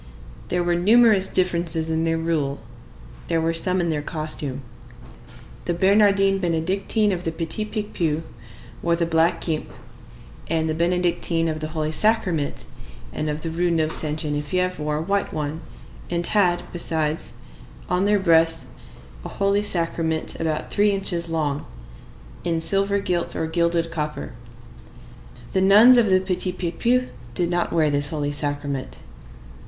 There were numerous differences in their rule; there were some in their costume. The Bernardines Benedictines of the Petit Picpus wore the black guimpe, and the Benedictines of the Holy Sacrament and of the Rue Neuve Sainte Geneviève wore a white one, and had, besides, on their breasts, a Holy Sacrament about three inches long, in silver gilt or gilded copper. The nuns of the Petit Picpus did not wear this Holy Sacrament.